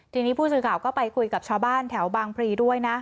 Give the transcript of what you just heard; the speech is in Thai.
ทีนี้ผู้สื่อข่าวก็ไปคุยกับชาวบ้านแถวบางพลีด้วยนะ